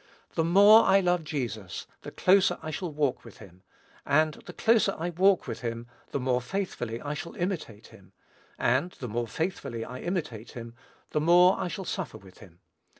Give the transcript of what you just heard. The more I love Jesus, the closer I shall walk with him, and the closer I walk with him, the more faithfully I shall imitate him, and the more faithfully I imitate him, the more I shall suffer with him.